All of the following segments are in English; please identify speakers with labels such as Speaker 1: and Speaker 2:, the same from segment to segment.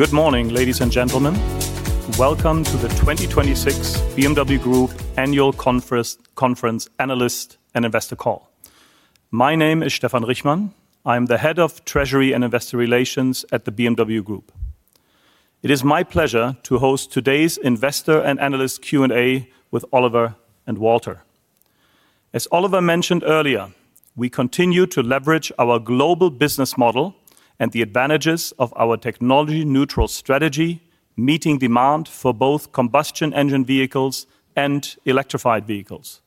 Speaker 1: Good morning, ladies and gentlemen. Welcome to the 2026 BMW Group Annual Conference Analyst and Investor Call. My name is Stefan Richmann. I'm the Head of Treasury and Investor Relations at the BMW Group. It is my pleasure to host today's investor and analyst Q&A with Oliver and Walter. As Oliver mentioned earlier, we continue to leverage our global business model and the advantages of our technology neutral strategy, meeting demand for both combustion engine vehicles and electrified vehicles.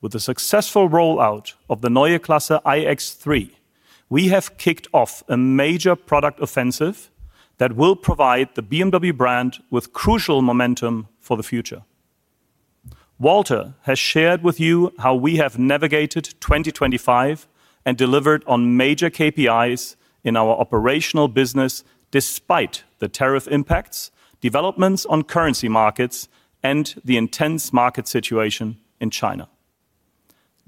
Speaker 1: With the successful rollout of the Neue Klasse iX3, we have kicked off a major product offensive that will provide the BMW brand with crucial momentum for the future. Walter has shared with you how we have navigated 2025 and delivered on major KPIs in our operational business despite the tariff impacts, developments on currency markets, and the intense market situation in China.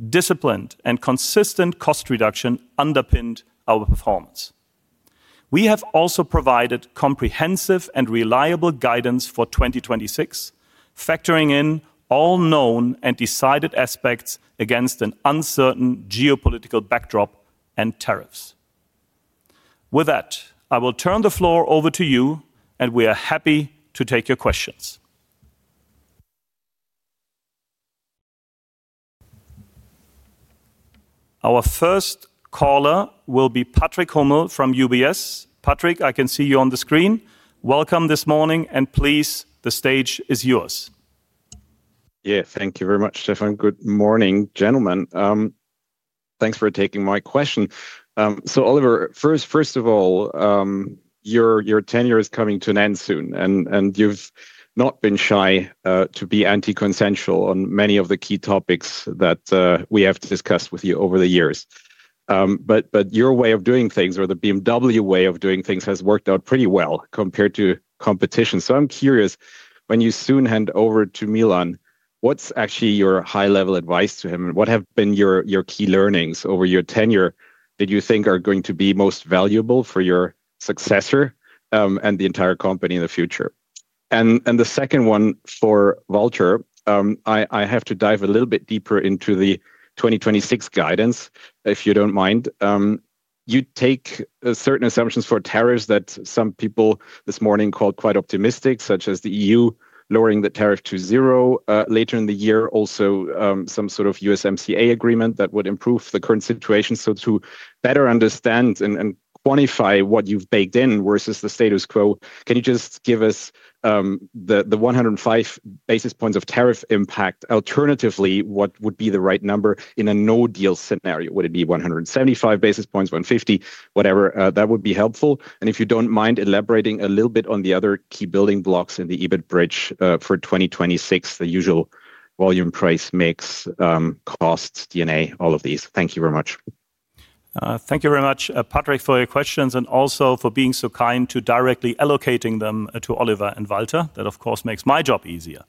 Speaker 1: Disciplined and consistent cost reduction underpinned our performance. We have also provided comprehensive and reliable guidance for 2026, factoring in all known and decided aspects against an uncertain geopolitical backdrop and tariffs. With that, I will turn the floor over to you, and we are happy to take your questions. Our first caller will be Patrick Hummel from UBS. Patrick, I can see you on the screen. Welcome this morning, and please, the stage is yours.
Speaker 2: Yeah, thank you very much, Stefan. Good morning, gentlemen. Thanks for taking my question. So Oliver, first of all, your tenure is coming to an end soon, and you've not been shy to be anti-consensus on many of the key topics that we have discussed with you over the years. But your way of doing things or the BMW way of doing things has worked out pretty well compared to competition. So I'm curious, when you soon hand over to Milan, what's actually your high-level advice to him? What have been your key learnings over your tenure that you think are going to be most valuable for your successor, and the entire company in the future? The second one for Walter, I have to dive a little bit deeper into the 2026 guidance, if you don't mind. You take certain assumptions for tariffs that some people this morning called quite optimistic, such as the EU lowering the tariff to zero later in the year. Also, some sort of USMCA agreement that would improve the current situation. To better understand and quantify what you've baked in versus the status quo, can you just give us the 105 basis points of tariff impact? Alternatively, what would be the right number in a no-deal scenario? Would it be 175 basis points, 150? Whatever that would be helpful. If you don't mind elaborating a little bit on the other key building blocks in the EBIT bridge for 2026, the usual volume price mix, costs, D&A, all of these. Thank you very much.
Speaker 1: Thank you very much, Patrick, for your questions and also for being so kind to directly allocating them to Oliver and Walter. That, of course, makes my job easier.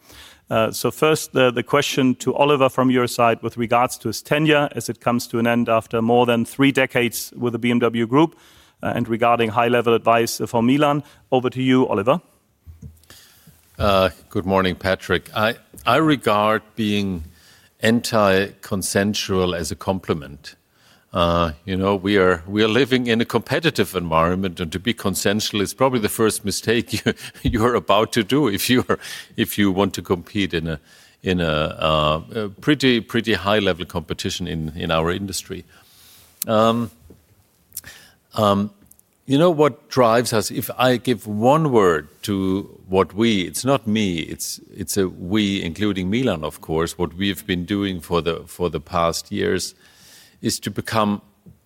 Speaker 1: So first, the question to Oliver from your side with regards to his tenure as it comes to an end after more than three decades with the BMW Group, and regarding high-level advice for Milan. Over to you, Oliver.
Speaker 3: Good morning, Patrick. I regard being anti-consensual as a compliment. You know, we are living in a competitive environment, and to be consensual is probably the first mistake you are about to do if you want to compete in a pretty high-level competition in our industry. You know what drives us? If I give one word to what we, it's not me, it's a we including Milan, of course, what we've been doing for the past years is to become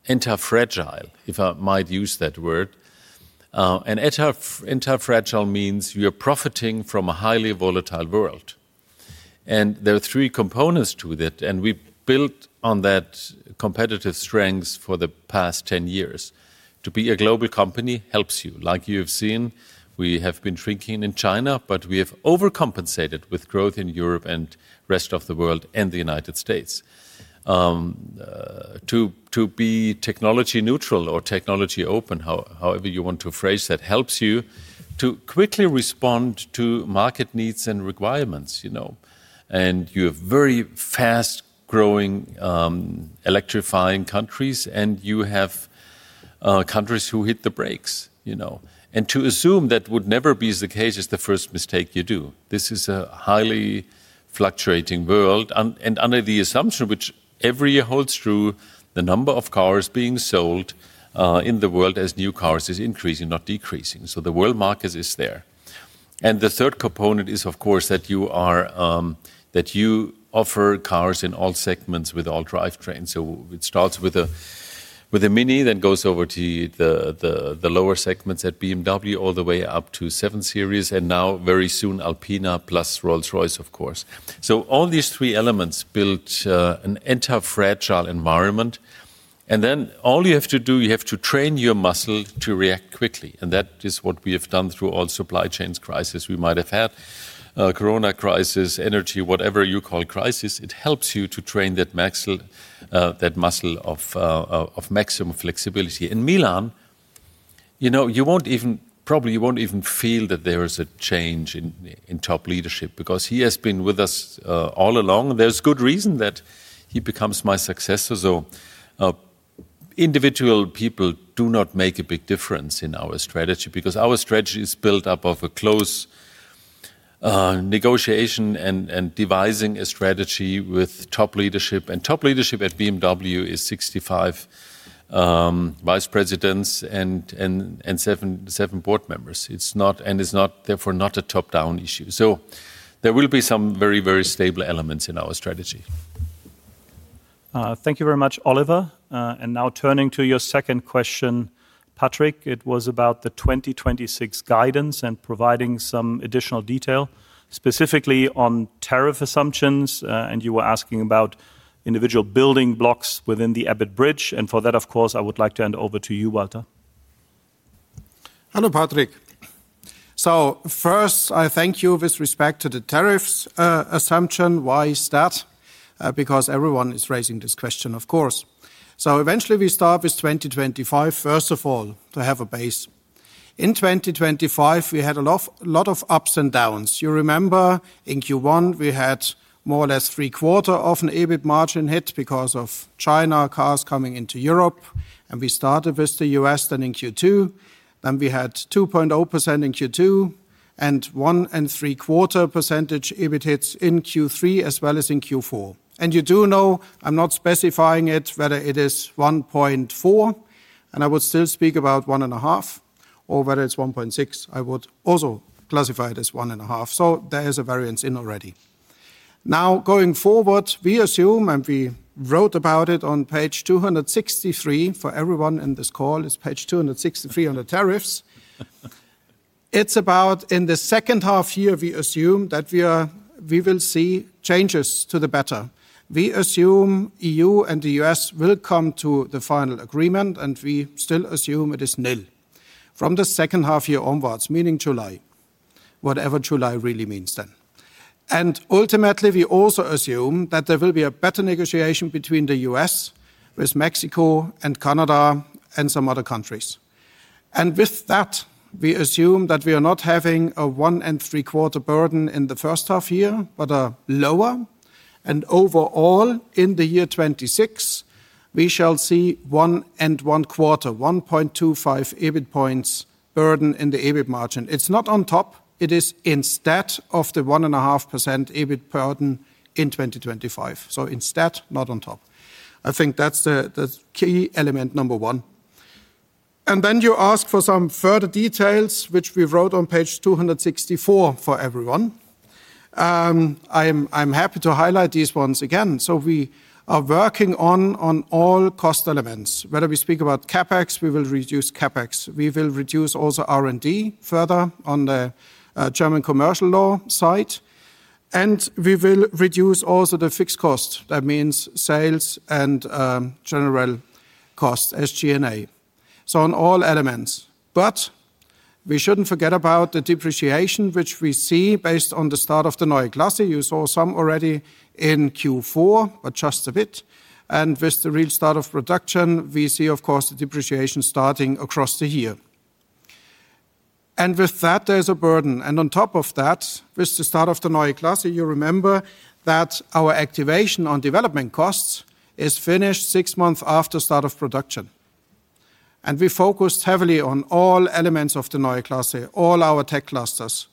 Speaker 3: antifragile, if I might use that word. Antifragile means you're profiting from a highly volatile world. There are three components to that, and we've built on that competitive strengths for the past 10 years. To be a global company helps you. Like you have seen, we have been shrinking in China, but we have overcompensated with growth in Europe and rest of the world and the United States. To be technology neutral or technology open, however you want to phrase that, helps you to quickly respond to market needs and requirements, you know. You have very fast-growing electrifying countries, and you have countries who hit the brakes, you know. To assume that would never be the case is the first mistake you do. This is a highly fluctuating world and under the assumption which every year holds true, the number of cars being sold in the world as new cars is increasing, not decreasing. The world market is there. The third component is, of course, that you offer cars in all segments with all drivetrains. It starts with a MINI, then goes over to the lower segments at BMW, all the way up to 7 Series, and now very soon, Alpina plus Rolls-Royce, of course. All these three elements built an antifragile environment. Then all you have to do, you have to train your muscle to react quickly, and that is what we have done through all supply chain crises we might have had. Corona crisis, energy, whatever you call crisis, it helps you to train that muscle of maximum flexibility. In Milan, you know, you probably won't even feel that there is a change in top leadership because he has been with us all along. There's good reason that he becomes my successor, so individual people do not make a big difference in our strategy because our strategy is built up of a close negotiation and devising a strategy with top leadership. Top leadership at BMW is 65 vice presidents and seven board members. It's not a top-down issue. There will be some very stable elements in our strategy.
Speaker 1: Thank you very much, Oliver. Now turning to your second question, Patrick, it was about the 2026 guidance and providing some additional detail, specifically on tariff assumptions, and you were asking about individual building blocks within the EBIT bridge. For that, of course, I would like to hand over to you, Walter.
Speaker 4: Hello, Patrick. First, I thank you with respect to the tariffs assumption. Why is that? Because everyone is raising this question, of course. Eventually we start with 2025, first of all, to have a base. In 2025, we had a lot of ups and downs. You remember in Q1, we had more or less 0.75% EBIT margin hit because of China cars coming into Europe. We started with the U.S. then in Q2. We had 2.0% in Q2 and 1.75% EBIT hits in Q3 as well as in Q4. You do know, I'm not specifying it, whether it is 1.4, and I would still speak about 1.5, or whether it's 1.6, I would also classify it as 1.5. There is a variance in already. Now, going forward, we assume, and we wrote about it on page 263, for everyone in this call, it's page 263 on the tariffs. It's about in the second half year, we assume that we will see changes for the better. We assume EU and the U.S. will come to the final agreement, and we still assume it is nil from the second half year onwards, meaning July, whatever July really means then. Ultimately, we also assume that there will be a better negotiation between the U.S. with Mexico and Canada and some other countries. With that, we assume that we are not having a 1.75 burden in the first half year, but a lower. Overall, in the year 2026, we shall see 1.25 EBIT points burden in the EBIT margin. It's not on top. It is instead of the 1.5% EBIT burden in 2025. So instead, not on top. I think that's the key element number one. Then you ask for some further details, which we wrote on page 264 for everyone. I'm happy to highlight these once again. So we are working on all cost elements. Whether we speak about CapEx, we will reduce CapEx. We will reduce also R&D further on the German commercial law side. We will reduce also the fixed cost. That means sales and general costs, SG&A. So on all elements. We shouldn't forget about the depreciation, which we see based on the start of the Neue Klasse. You saw some already in Q4, but just a bit. With the real start of production, we see, of course, the depreciation starting across the year. With that, there's a burden. On top of that, with the start of the Neue Klasse, you remember that our activation on development costs is finished six months after start of production. We focused heavily on all elements of the Neue Klasse. All our tech clusters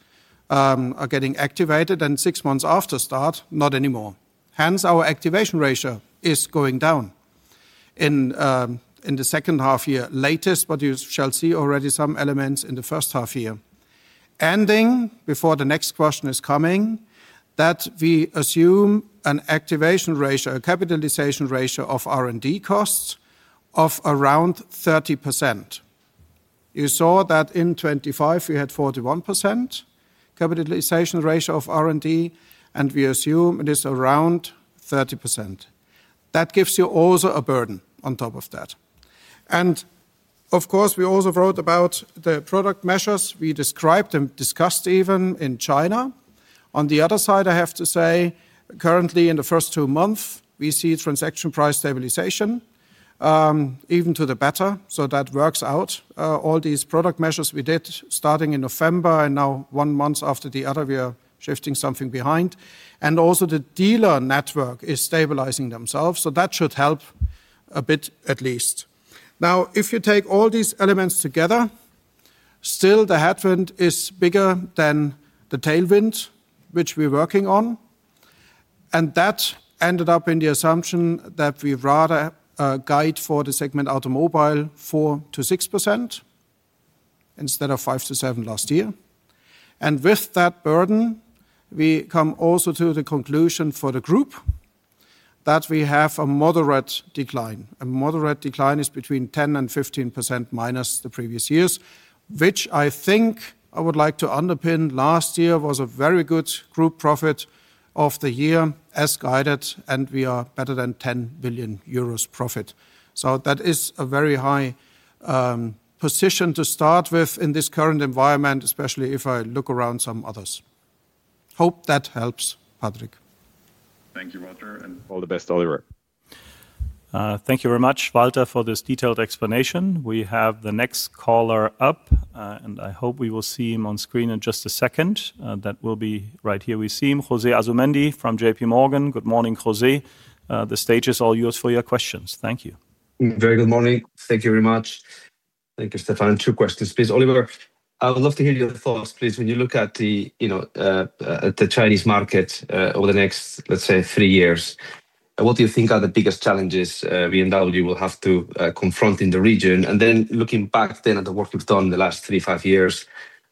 Speaker 4: are getting activated, and six months after start, not anymore. Hence, our activation ratio is going down in the second half year latest, but you shall see already some elements in the first half year. Ending, before the next question is coming, that we assume an activation ratio, a capitalization ratio of R&D costs of around 30%. You saw that in 2025, we had 41% capitalization ratio of R&D, and we assume it is around 30%. That gives you also a burden on top of that. Of course, we also wrote about the product measures we described and discussed even in China. On the other side, I have to say, currently in the first two months, we see transaction price stabilization, even to the better. That works out all these product measures we did starting in November, and now one month after the other, we are shifting something behind. Also the dealer network is stabilizing themselves, so that should help a bit at least. Now, if you take all these elements together, still the headwind is bigger than the tailwind, which we're working on. That ended up in the assumption that we'd rather guide for the segment automobile 4%-6% instead of 5%-7% last year. With that burden, we come also to the conclusion for the group that we have a moderate decline. A moderate decline is between 10%-15% minus the previous years, which I think I would like to underpin. Last year was a very good group profit of the year as guided, and we are better than 10 billion euros profit. That is a very high position to start with in this current environment, especially if I look around some others. Hope that helps, Patrick.
Speaker 2: Thank you, Walter, and all the best, Oliver.
Speaker 1: Thank you very much, Walter, for this detailed explanation. We have the next caller up, and I hope we will see him on screen in just a second. That will be right here we see him, José Asumendi from JPMorgan. Good morning, José. The stage is all yours for your questions. Thank you.
Speaker 5: Very good morning. Thank you very much. Thank you, Stefan. Two questions, please. Oliver, I would love to hear your thoughts, please. When you look at the, you know, the Chinese market over the next, let's say, three years, what do you think are the biggest challenges BMW will have to confront in the region? Looking back then at the work you've done in the last three, five years,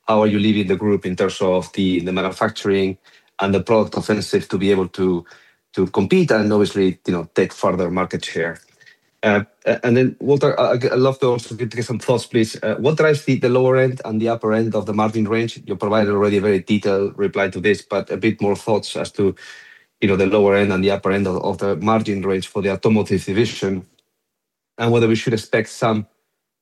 Speaker 5: how are you leaving the group in terms of the manufacturing and the product offensive to be able to compete and obviously, you know, take further market share? Walter, I'd love to also get some thoughts, please. What drives the lower end and the upper end of the margin range? You provided already a very detailed reply to this, but a bit more thoughts as to, you know, the lower end and the upper end of the margin range for the automotive division and whether we should expect some,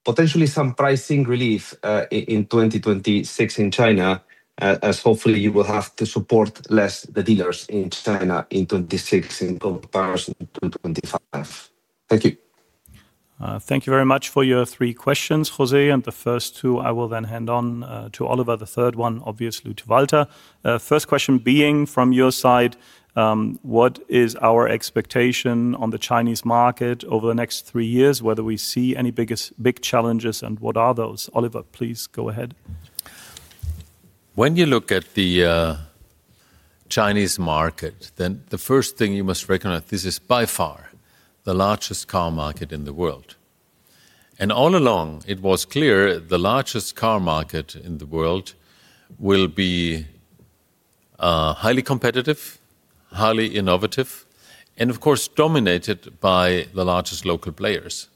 Speaker 5: potentially some pricing relief, in 2026 in China as hopefully you will have to support less the dealers in China in 2026 in comparison to 2025. Thank you.
Speaker 1: Thank you very much for your three questions, José, and the first two I will then hand on to Oliver, the third one, obviously, to Walter. First question being from your side, what is our expectation on the Chinese market over the next three years? Whether we see any big challenges and what are those? Oliver, please go ahead.
Speaker 3: When you look at the Chinese market, then the first thing you must recognize, this is by far the largest car market in the world. All along, it was clear the largest car market in the world will be highly competitive, highly innovative, and of course, dominated by the largest local players.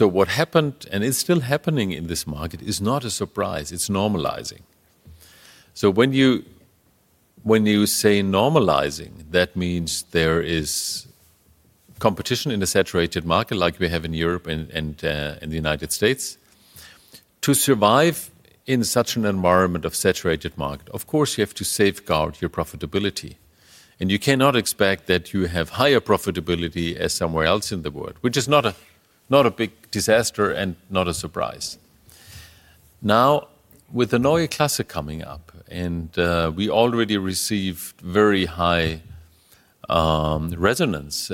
Speaker 3: What happened, and it's still happening in this market, is not a surprise, it's normalizing. When you say normalizing, that means there is competition in a saturated market like we have in Europe and in the United States. To survive in such an environment of saturated market, of course, you have to safeguard your profitability. You cannot expect that you have higher profitability as somewhere else in the world, which is not a big disaster and not a surprise. Now, with the Neue Klasse coming up, we already received very high resonance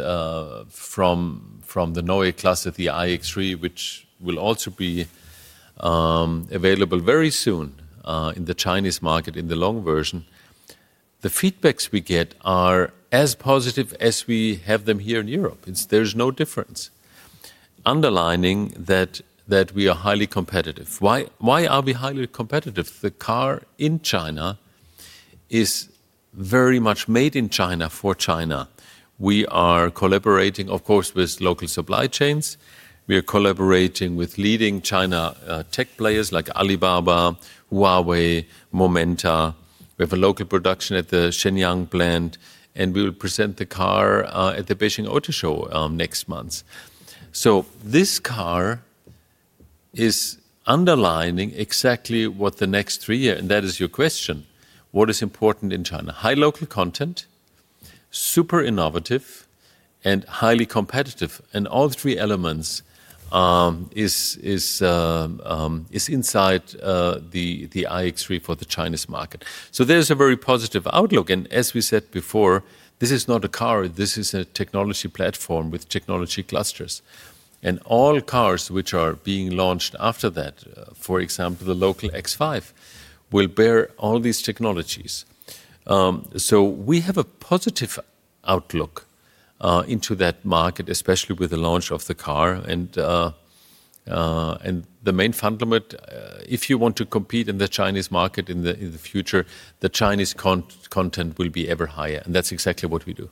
Speaker 3: from the Neue Klasse, the iX3, which will also be available very soon in the Chinese market in the long version. The feedbacks we get are as positive as we have them here in Europe. There's no difference. Underlining that we are highly competitive. Why are we highly competitive? The car in China is very much made in China for China. We are collaborating, of course, with local supply chains. We are collaborating with leading China tech players like Alibaba, Huawei, Momenta. We have a local production at the Shenyang plant, and we will present the car at the Beijing Auto Show next month. This car is underlining exactly what, and that is your question, what is important in China? High local content, super innovative, and highly competitive, and all the three elements is inside the iX3 for the Chinese market. There's a very positive outlook. As we said before, this is not a car, this is a technology platform with technology clusters. All cars which are being launched after that, for example, the local X5, will bear all these technologies. We have a positive outlook into that market, especially with the launch of the car and the main fundamental, if you want to compete in the Chinese market in the future, the Chinese content will be ever higher, and that's exactly what we do.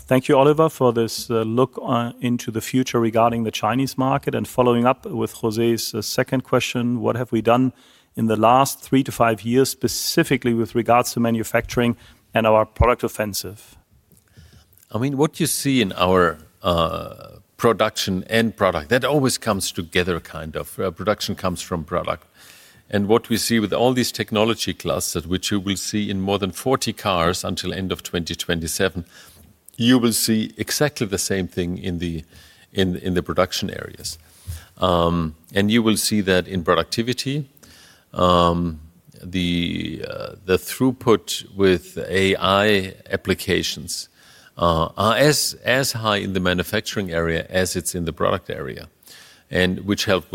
Speaker 1: Thank you, Oliver, for this look into the future regarding the Chinese market. Following up with José's second question, what have we done in the last 3-5 years, specifically with regards to manufacturing and our product offensive?
Speaker 3: I mean, what you see in our production and product, that always comes together kind of. Production comes from product. What we see with all these technology clusters, which you will see in more than 40 cars until end of 2027, you will see exactly the same thing in the production areas. You will see that in productivity, the throughput with AI applications are as high in the manufacturing area as it's in the product area, and which will help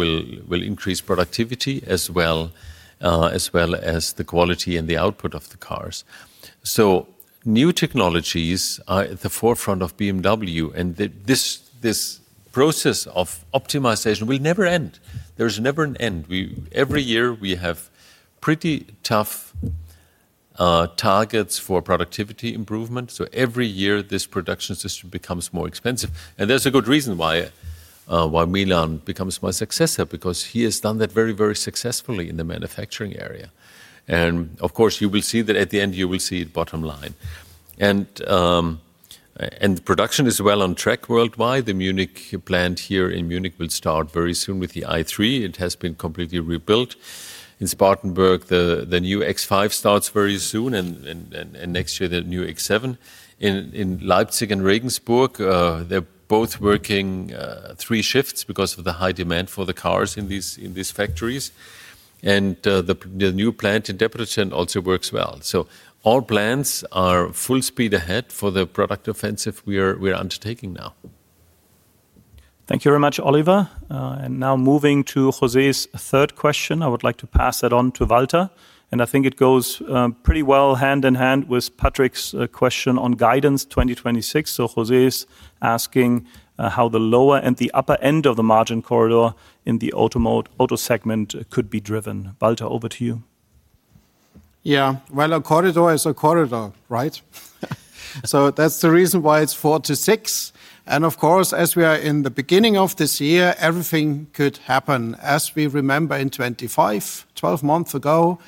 Speaker 3: increase productivity as well as the quality and the output of the cars. New technologies are at the forefront of BMW, and this process of optimization will never end. There is never an end. Every year, we have pretty tough targets for productivity improvement, so every year, this production system becomes more expensive. There's a good reason why Milan becomes my successor, because he has done that very, very successfully in the manufacturing area. Of course, you will see that at the end, you will see bottom line. Production is well on track worldwide. The Munich plant here in Munich will start very soon with the i3. It has been completely rebuilt. In Spartanburg, the new X5 starts very soon and next year, the new X7. In Leipzig and Regensburg, they're both working three shifts because of the high demand for the cars in these factories. The new plant in Debrecen also works well. All plants are full speed ahead for the product offensive we are undertaking now.
Speaker 1: Thank you very much, Oliver. Now moving to José's third question, I would like to pass that on to Walter, and I think it goes pretty well hand in hand with Patrick's question on guidance 2026. José's asking how the lower and the upper end of the margin corridor in the auto segment could be driven. Walter, over to you.
Speaker 4: Yeah. Well, a corridor is a corridor, right? That's the reason why it's 4%-6%, and of course, as we are in the beginning of this year, everything could happen. As we remember in 2025, 12 months ago,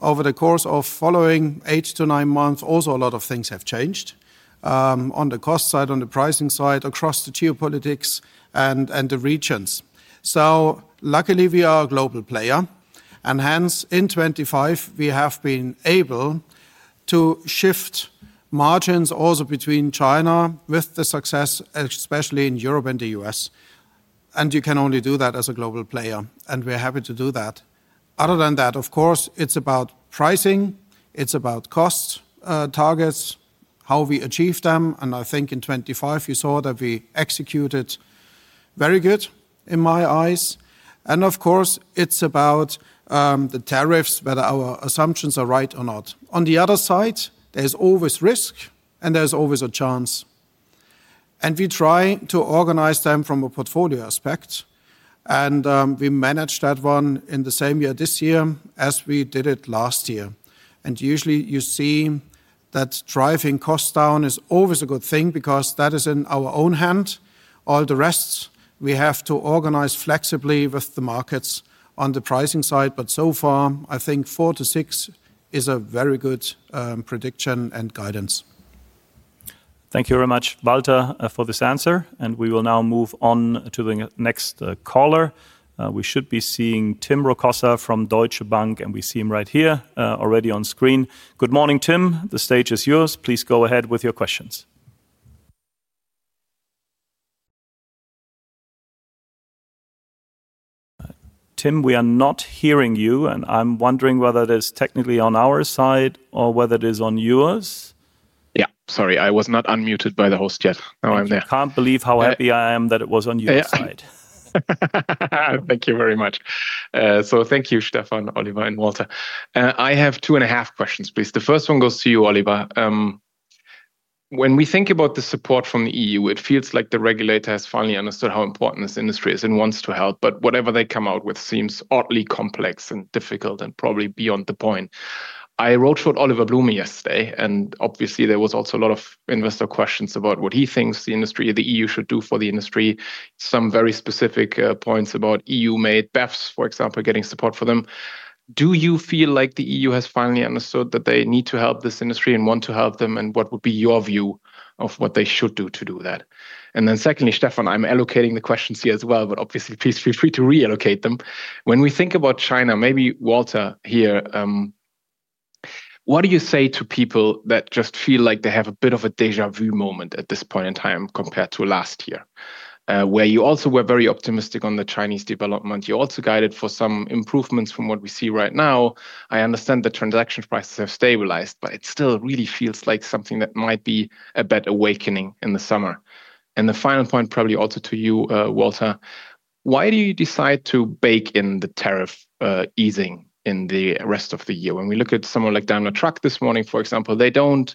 Speaker 4: over the course of the following 8-9 months, a lot of things have changed on the cost side, on the pricing side, across the geopolitics and the regions. Luckily, we are a global player, and hence, in 2025, we have been able to shift margins also between China with the success, especially in Europe and the U.S. You can only do that as a global player, and we're happy to do that. Other than that, of course, it's about pricing, it's about cost targets, how we achieve them, and I think in 2025 you saw that we executed very good in my eyes. Of course, it's about the tariffs, whether our assumptions are right or not. On the other side, there's always risk, and there's always a chance. We try to organize them from a portfolio aspect, and we manage that one in the same year this year as we did it last year. Usually, you see that driving costs down is always a good thing because that is in our own hand. All the rest we have to organize flexibly with the markets on the pricing side, but so far, I think 4-6 is a very good prediction and guidance.
Speaker 1: Thank you very much, Walter, for this answer, and we will now move on to the next caller. We should be seeing Tim Rokossa from Deutsche Bank, and we see him right here already on screen. Good morning, Tim. The stage is yours. Please go ahead with your questions. Tim, we are not hearing you, and I'm wondering whether it is technically on our side or whether it is on yours.
Speaker 6: Yeah. Sorry, I was not unmuted by the host yet. Now I'm there.
Speaker 1: You can't believe how happy I am that it was on your side.
Speaker 6: Thank you very much. Thank you Stefan, Oliver, and Walter. I have two and a half questions, please. The first one goes to you, Oliver. When we think about the support from the EU, it feels like the regulator has finally understood how important this industry is and wants to help, but whatever they come out with seems oddly complex and difficult and probably beyond the point. I wrote for Oliver Blume yesterday, and obviously there was also a lot of investor questions about what he thinks the industry or the EU should do for the industry. Some very specific points about EU-made BEVs, for example, getting support for them. Do you feel like the EU has finally understood that they need to help this industry and want to help them, and what would be your view of what they should do to do that? Then secondly, Stefan, I'm allocating the questions to you as well, but obviously please feel free to reallocate them. When we think about China, maybe Walter here, what do you say to people that just feel like they have a bit of a déjà vu moment at this point in time compared to last year? Where you also were very optimistic on the Chinese development. You also guided for some improvements from what we see right now. I understand the transaction prices have stabilized, but it still really feels like something that might be a bad awakening in the summer. The final point, probably also to you, Walter, why do you decide to bake in the tariff easing in the rest of the year? When we look at someone like Daimler Truck this morning, for example, they don't.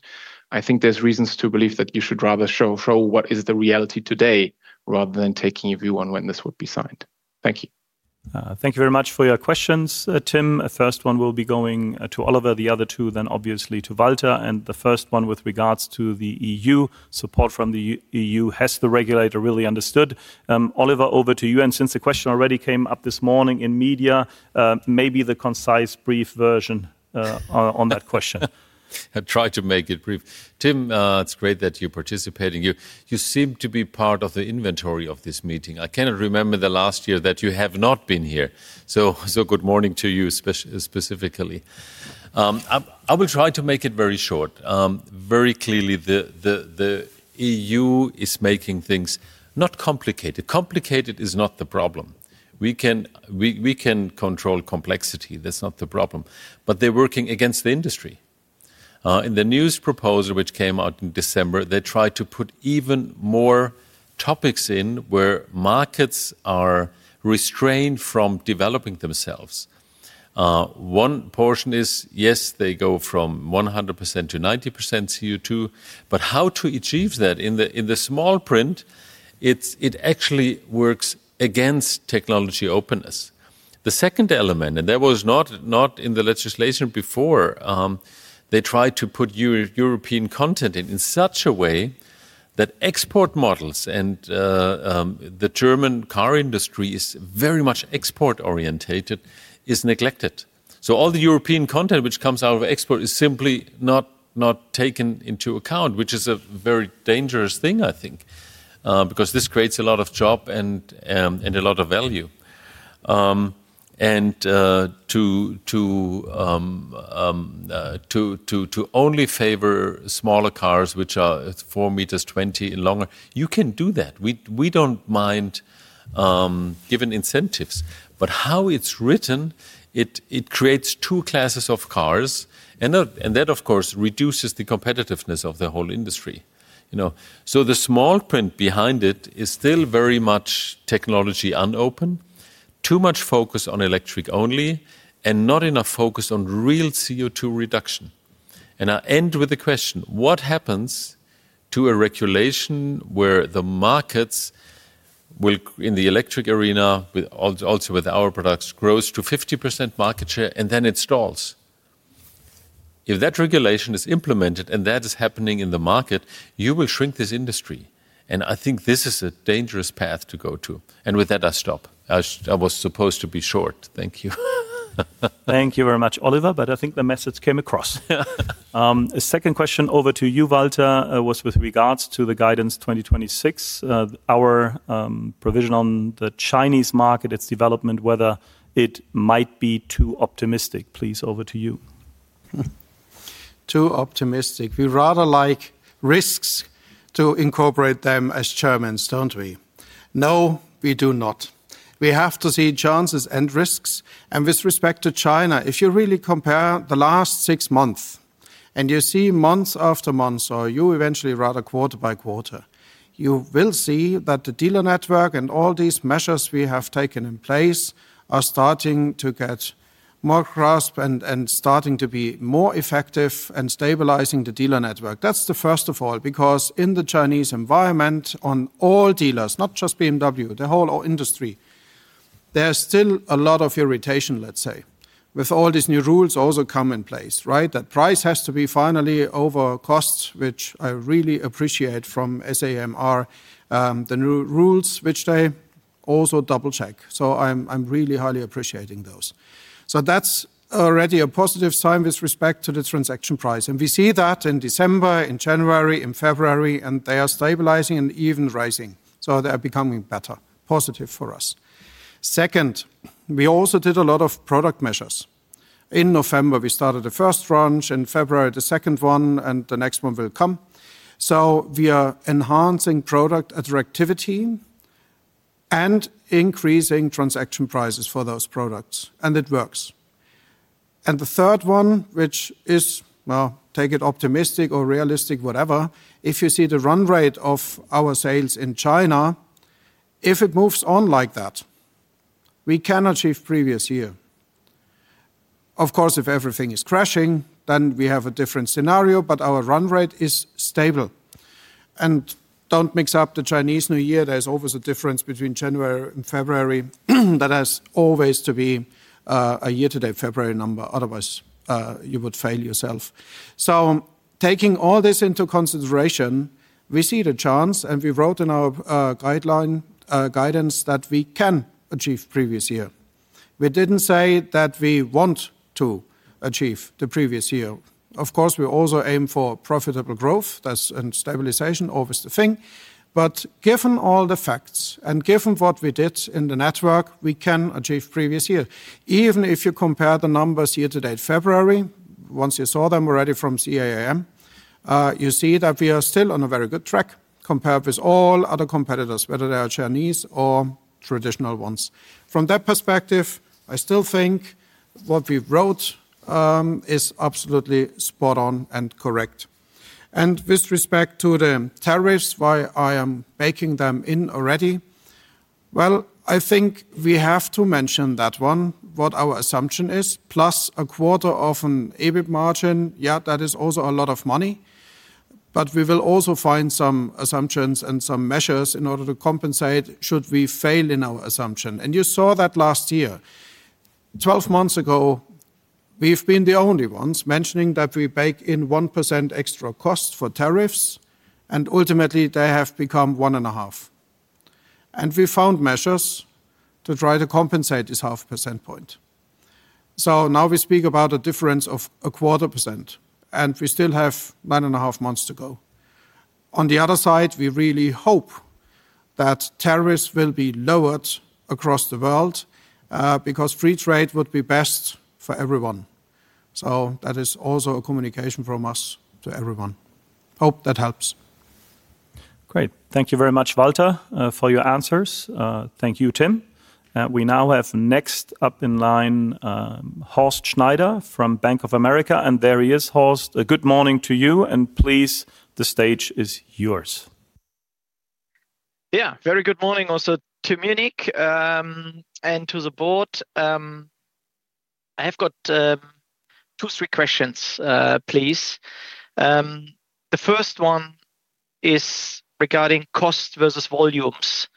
Speaker 6: I think there's reasons to believe that you should rather show what is the reality today rather than taking a view on when this would be signed. Thank you.
Speaker 1: Thank you very much for your questions, Tim. First one will be going to Oliver, the other two then obviously to Walter, and the first one with regards to the EU, support from the EU. Has the regulator really understood? Oliver, over to you, and since the question already came up this morning in media, maybe the concise, brief version on that question.
Speaker 3: I'll try to make it brief. Tim, it's great that you're participating. You seem to be part of the inventory of this meeting. I cannot remember the last year that you have not been here. Good morning to you specifically. I will try to make it very short. Very clearly, the EU is making things not complicated. Complicated is not the problem. We can control complexity. That's not the problem. They're working against the industry. In the new proposal which came out in December, they tried to put even more topics in where markets are restrained from developing themselves. One portion is, yes, they go from 100% to 90% CO2, but how to achieve that in the small print, it actually works against technology openness. The second element, that was not in the legislation before. They tried to put European content in such a way that export models and the German car industry is very much export-oriented, is neglected. All the European content which comes out of export is simply not taken into account, which is a very dangerous thing, I think, because this creates a lot of job and a lot of value. To only favor smaller cars which are 4.20 m and longer, you can do that. We don't mind giving incentives. How it's written, it creates two classes of cars and that of course reduces the competitiveness of the whole industry, you know. The small print behind it is still very much technology unproven, too much focus on electric only, and not enough focus on real CO2 reduction. I end with a question: What happens to a regulation where the markets will, in the electric arena, with also with our products, grows to 50% market share and then it stalls? If that regulation is implemented and that is happening in the market, you will shrink this industry, and I think this is a dangerous path to go to. With that, I stop. I was supposed to be short. Thank you.
Speaker 1: Thank you very much, Oliver, but I think the message came across.
Speaker 3: Yeah.
Speaker 1: A second question over to you, Walter, was with regards to the guidance 2026, our provision on the Chinese market, its development, whether it might be too optimistic. Please, over to you.
Speaker 4: Too optimistic. We rather like risks to incorporate them as Germans, don't we? No, we do not. We have to see chances and risks. With respect to China, if you really compare the last six months, and you see months after months, or you eventually rather quarter by quarter, you will see that the dealer network and all these measures we have taken in place are starting to get more grasp and starting to be more effective and stabilizing the dealer network. That's the first of all, because in the Chinese environment, on all dealers, not just BMW, the whole auto industry, there's still a lot of irritation, let's say, with all these new rules also come in place, right? That price has to be finally over costs, which I really appreciate from SAMR, the new rules which they also double-check. I'm really highly appreciating those. That's already a positive sign with respect to the transaction price. We see that in December, in January, in February, and they are stabilizing and even rising. They are becoming better, positive for us. Second, we also did a lot of product measures. In November, we started the first launch, in February, the second one, and the next one will come. We are enhancing product attractivity and increasing transaction prices for those products, and it works. The third one, which is, well, take it optimistic or realistic, whatever, if you see the run rate of our sales in China, if it moves on like that, we can achieve previous year. Of course, if everything is crashing, then we have a different scenario, but our run rate is stable. Don't mix up the Chinese New Year. There's always a difference between January and February. That has always to be, a year-to-date February number, otherwise, you would fail yourself. Taking all this into consideration, we see the chance, and we wrote in our, guideline, guidance that we can achieve previous year. We didn't say that we want to achieve the previous year. Of course, we also aim for profitable growth, that's, and stabilization, always the thing. Given all the facts and given what we did in the network, we can achieve previous year. Even if you compare the numbers year-to-date February, once you saw them already from CAAM, you see that we are still on a very good track compared with all other competitors, whether they are Chinese or traditional ones. From that perspective, I still think what we wrote, is absolutely spot on and correct. With respect to the tariffs, why I am baking them in already, well, I think we have to mention that one, what our assumption is, plus a quarter of an EBIT margin. Yeah, that is also a lot of money, but we will also find some assumptions and some measures in order to compensate should we fail in our assumption. You saw that last year. 12 months ago, we've been the only ones mentioning that we bake in 1% extra cost for tariffs, and ultimately they have become 1.5. We found measures to try to compensate this half percentage point. Now we speak about a difference of a quarter percent, and we still have 9.5 months to go. On the other side, we really hope that tariffs will be lowered across the world, because free trade would be best for everyone. That is also a communication from us to everyone. Hope that helps.
Speaker 1: Great. Thank you very much, Walter, for your answers. Thank you, Tim. We now have next up in line, Horst Schneider from Bank of America, and there he is. Horst, good morning to you, and please, the stage is yours.
Speaker 7: Yeah. Very good morning also to Munich and to the board. I have got two, three questions, please. The first one is regarding cost versus volumes.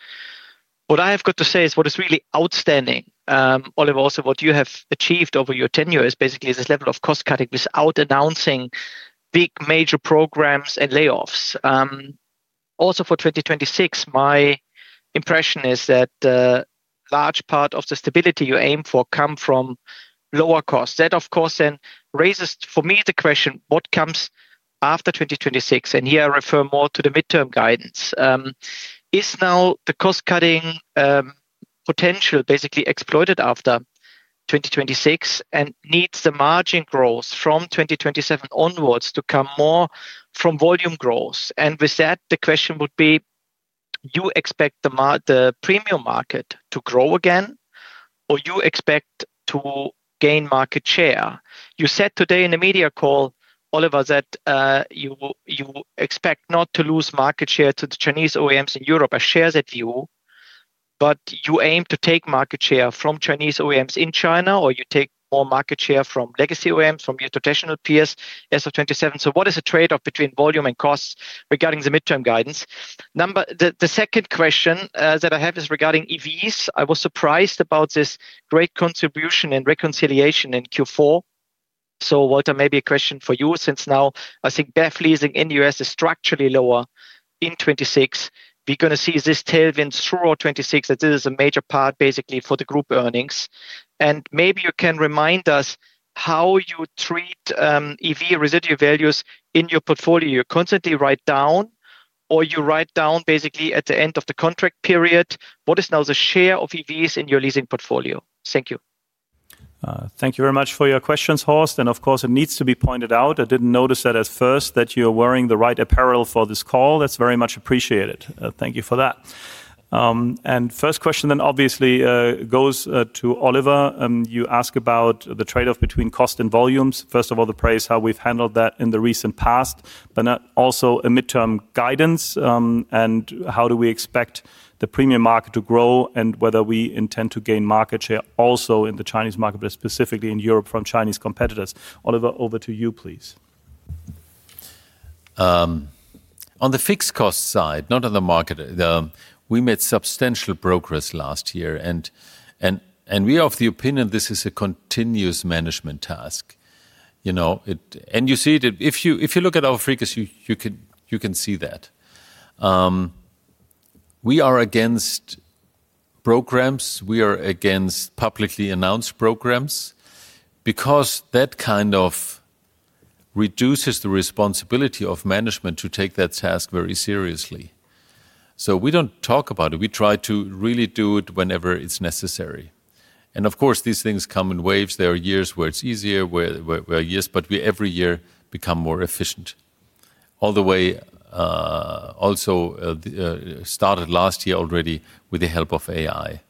Speaker 7: What I have got to say is what is really outstanding, Oliver, also what you have achieved over your tenure is basically this level of cost-cutting without announcing big major programs and layoffs. For 2026, my impression is that large part of the stability you aim for come from lower costs. That, of course, then raises for me the question, what comes after 2026? Here I refer more to the midterm guidance. Is the cost-cutting potential basically exploited after 2026 and needs the margin growth from 2027 onwards to come more from volume growth? With that, the question would be, do you expect the premium market to grow again, or you expect to gain market share? You said today in the media call, Oliver, that you expect not to lose market share to the Chinese OEMs in Europe. I share that view. You aim to take market share from Chinese OEMs in China, or you take more market share from legacy OEMs, from your traditional peers as of 2027. What is the trade-off between volume and costs regarding the midterm guidance? The second question that I have is regarding EVs. I was surprised about this great contribution and reconciliation in Q4. Walter, maybe a question for you, since now I think BEV leasing in the U.S. is structurally lower in 2026. We're gonna see if this tailwind through all 2026, that this is a major part basically for the group earnings. Maybe you can remind us how you treat EV residual values in your portfolio. You constantly write down, or you write down basically at the end of the contract period, what is now the share of EVs in your leasing portfolio? Thank you.
Speaker 1: Thank you very much for your questions, Horst. Of course, it needs to be pointed out, I didn't notice that at first, that you're wearing the right apparel for this call. That's very much appreciated. Thank you for that. First question obviously goes to Oliver. You ask about the trade-off between cost and volumes. First of all, the price, how we've handled that in the recent past, but now also a midterm guidance, and how do we expect the premium market to grow and whether we intend to gain market share also in the Chinese market, but specifically in Europe from Chinese competitors. Oliver, over to you, please.
Speaker 3: On the fixed cost side, not on the market, we made substantial progress last year, and we are of the opinion this is a continuous management task. You know, it and you see it, if you look at our efficiency, you can see that. We are against programs. We are against publicly announced programs because that kind of reduces the responsibility of management to take that task very seriously. We don't talk about it. We try to really do it whenever it's necessary. Of course, these things come in waves. There are years where it's easier, years, but we every year become more efficient all the way, also started last year already with the help of AI.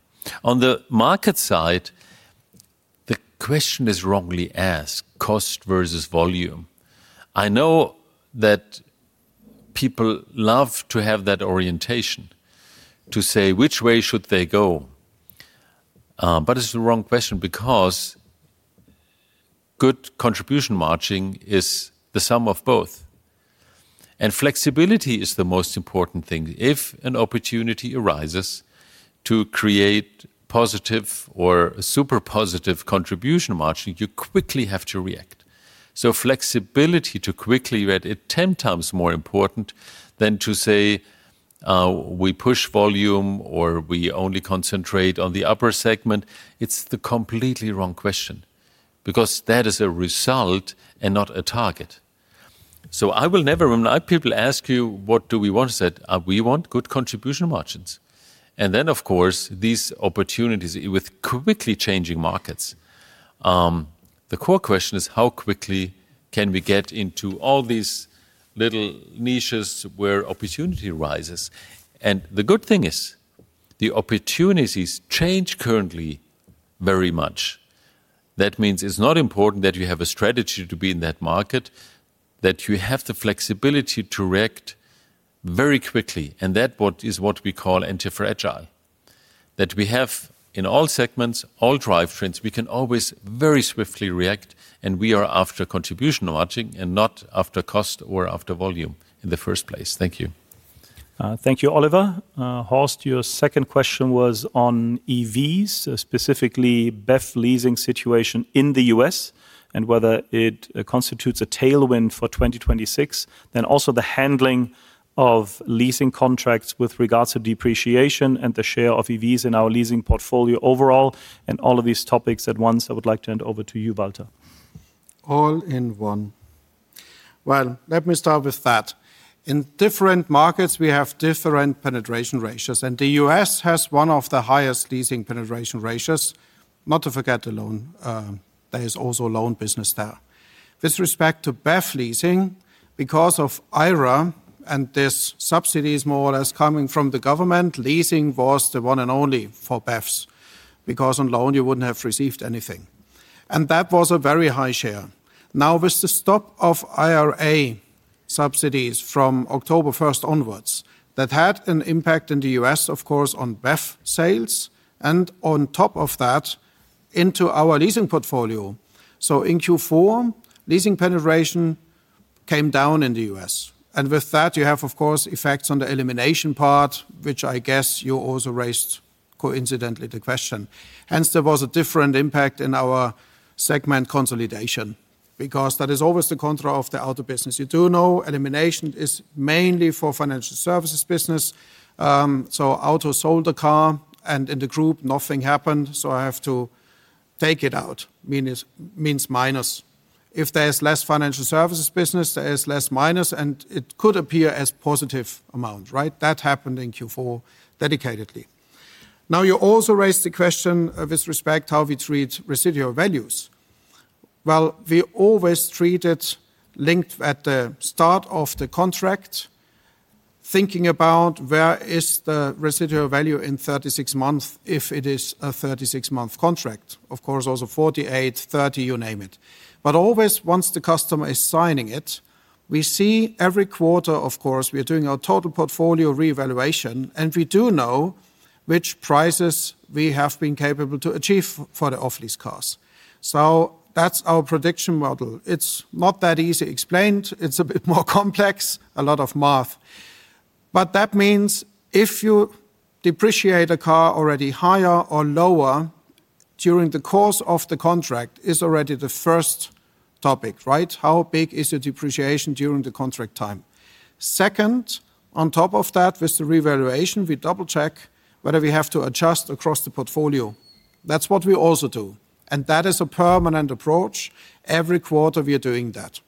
Speaker 3: On the market side, the question is wrongly asked, cost versus volume. I know that people love to have that orientation, to say which way should they go. It's the wrong question because good contribution margin is the sum of both. Flexibility is the most important thing. If an opportunity arises to create positive or super positive contribution margin, you quickly have to react. Flexibility to quickly react, it's 10x more important than to say, we push volume or we only concentrate on the upper segment. It's the completely wrong question because that is a result and not a target. When people ask you, what do we want? I said, "We want good contribution margins." Of course, these opportunities with quickly changing markets. The core question is, how quickly can we get into all these little niches where opportunity arises? The good thing is the opportunities change currently very much. That means it's not important that you have a strategy to be in that market, that you have the flexibility to react very quickly. That's what we call antifragile. We have in all segments, all drive trains, we can always very swiftly react, and we are after contribution margin and not after cost or after volume in the first place. Thank you.
Speaker 1: Thank you, Oliver. Horst, your second question was on EVs, specifically BEV leasing situation in the U.S. and whether it constitutes a tailwind for 2026. Also the handling of leasing contracts with regards to depreciation and the share of EVs in our leasing portfolio overall, and all of these topics at once, I would like to hand over to you, Walter.
Speaker 4: All in one. Well, let me start with that. In different markets, we have different penetration ratios, and the U.S. has one of the highest leasing penetration ratios. Not to forget the loan, there is also a loan business there. With respect to BEV leasing, because of IRA and these subsidies more or less coming from the government, leasing was the one and only for BEVs, because on loan, you wouldn't have received anything. That was a very high share. Now, with the stop of IRA subsidies from October first onwards, that had an impact in the U.S., of course, on BEV sales and on top of that, into our leasing portfolio. In Q4, leasing penetration came down in the U.S. With that, you have, of course, effects on the elimination part, which I guess you also raised, coincidentally, the question. Hence, there was a different impact in our segment consolidation. Because that is always the contra of the auto business. You do know elimination is mainly for financial services business. So auto sold the car and in the group nothing happened, so I have to take it out, means minus. If there's less financial services business, there is less minus, and it could appear as positive amount, right? That happened in Q4 definitely. Now you also raised the question with respect to how we treat residual values. Well, we always treat it locked at the start of the contract, thinking about where is the residual value in 36 months, if it is a 36-month contract. Of course, also 48, 30, you name it. Always, once the customer is signing it, we see every quarter, of course, we are doing our total portfolio reevaluation, and we do know which prices we have been capable to achieve for the off-lease cars. That's our prediction model. It's not that easily explained. It's a bit more complex, a lot of math. That means if you depreciate a car already higher or lower during the course of the contract, it's already the first topic, right? How big is the depreciation during the contract time? Second, on top of that, with the revaluation, we double-check whether we have to adjust across the portfolio. That's what we also do, and that is a permanent approach. Every quarter we are doing that.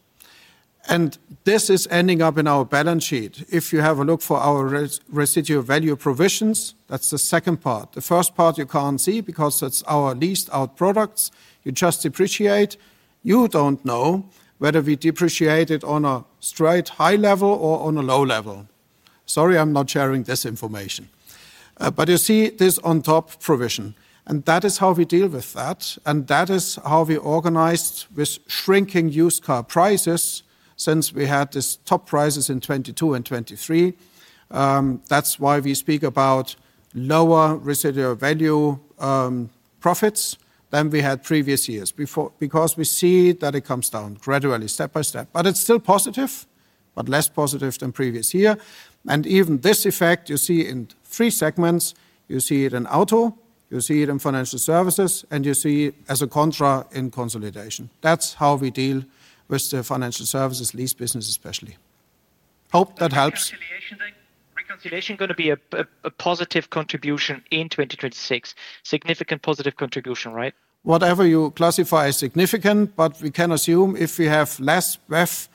Speaker 4: This is ending up in our balance sheet. If you have a look at our residual value provisions, that's the second part. The first part you can't see because that's our leased-out products. You just depreciate. You don't know whether we depreciate it on a straight-line high level or on a low level. Sorry, I'm not sharing this information. You see this on top provision, and that is how we deal with that, and that is how we organized with shrinking used car prices since we had these top prices in 2022 and 2023. That's why we speak about lower residual value profits than we had previous years before, because we see that it comes down gradually, step by step. It's still positive, but less positive than previous year. Even this effect you see in three segments, you see it in auto, you see it in financial services, and you see as a contra in consolidation. That's how we deal with the financial services lease business especially. Hope that helps.
Speaker 7: Reconciliation gonna be a positive contribution in 2026, significant positive contribution, right?
Speaker 4: Whatever you classify as significant, but we can assume if we have less ref